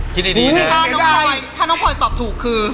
ถ้าน้องพลอยตอบถูกคือ